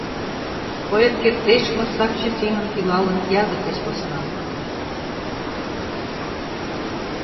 Поэт кертеш мо сакче семын илалын язык деч посна?